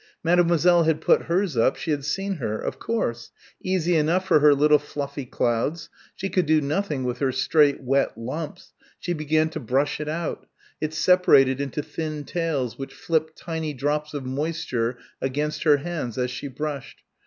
Mademoiselle had put hers up she had seen her ... of course ... easy enough for her little fluffy clouds she could do nothing with her straight, wet lumps she began to brush it out it separated into thin tails which flipped tiny drops of moisture against her hands as she brushed.